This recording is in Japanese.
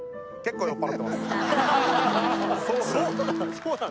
そうなん？